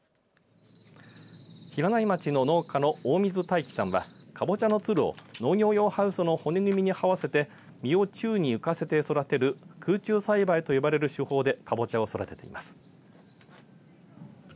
平内町の農家の大水大喜さんはカボチャのつるを農業用ハウスの骨組みにはわせて実を宙に浮かせて育てる空中栽培と呼ばれる手法でカボチャを育てています。